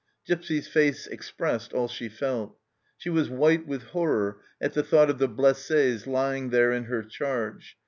Gipsy's face expressed all she felt ; she was white with horror at the thought of the blesses lying there in her charge.